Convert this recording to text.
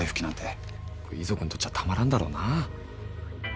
遺族にとっちゃたまらんだろうな。